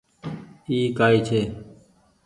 اي ڪائي ڇي۔